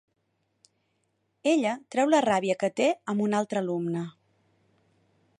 Ella treu la ràbia que té amb un altre alumne.